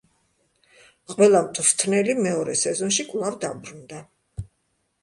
ყველა მწვრთნელი მეორე სეზონში კვლავ დაბრუნდა.